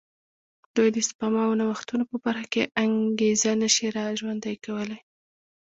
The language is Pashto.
دوی د سپما او نوښتونو په برخه کې انګېزه نه شي را ژوندی کولای.